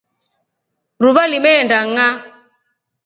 Ruva limeenda ngʼaa.